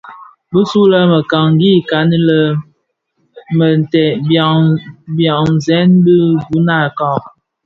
Bisule le mekani kani mè dheteb byamzèn dhiguňa kka.